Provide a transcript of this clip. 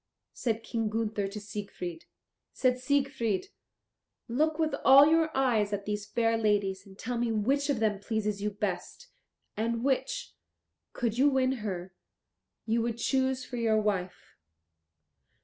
said King Gunther to Siegfried. Said Siegfried, "Look with all your eyes at these fair ladies, and tell me which of them pleases you best, and which, could you win her, you would choose for your wife."